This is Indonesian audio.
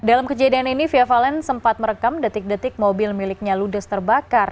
dalam kejadian ini fia valen sempat merekam detik detik mobil miliknya ludes terbakar